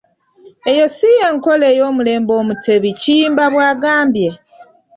"Eyo ssi y'enkola ey'omulembe Omutebi,” Kiyimba bw'agambye.